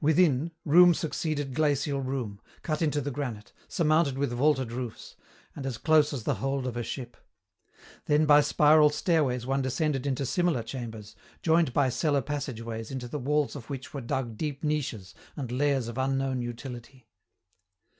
Within, room succeeded glacial room, cut into the granite, surmounted with vaulted roofs, and as close as the hold of a ship. Then by spiral stairways one descended into similar chambers, joined by cellar passageways into the walls of which were dug deep niches and lairs of unknown utility.